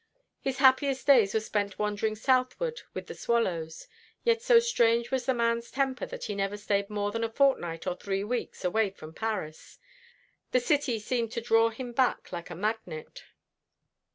His happiest days were spent wandering southward with the swallows; yet so strange was the man's temper that he never stayed more than a fortnight or three weeks away from Paris. The city seemed to draw him back like a magnet."